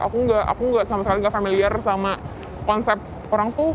aku gak sama sekali gak familiar sama konsep orang tuh